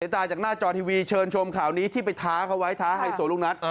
ตาจากหน้าจอทีวีเชิญชมข่าวนี้ที่ไปท้าเขาไว้ท้าไฮโซลูกนัท